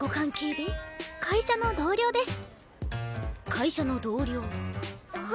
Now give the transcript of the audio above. はい会社の同僚です。